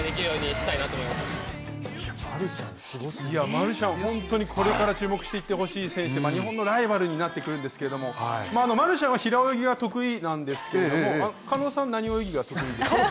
マルシャン、本当にこれから注目していってほしい選手で日本のライバルになってくるんですけれどもマルシャンは平泳ぎが得意なんですけれども狩野さんは何泳ぎが？